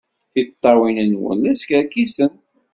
Tiṭṭawin-nwen la skerkisent.